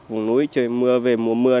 vùng núi trời mưa về mùa mưa